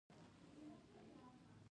ورته وویل شول چې راځه د استاد څنګ ته ودرېږه